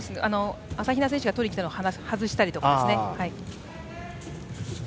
朝比奈選手が取りに来たのを外したりですね。